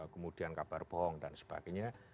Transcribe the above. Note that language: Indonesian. kemudian kabar bohong dan sebagainya